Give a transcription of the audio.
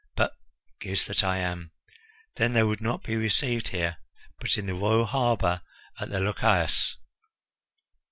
But goose that I am! then they would not be received here, but in the royal harbour at the Lochias.